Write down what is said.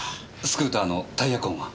スクーターのタイヤ痕は？